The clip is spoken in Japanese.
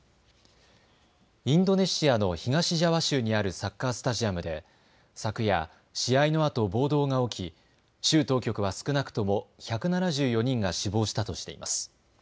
インドネシアの東ジャワ州にあるサッカースタジアムで昨夜、試合のあと、暴動が起き州当局は少なくとも１７４人が死亡したとしています。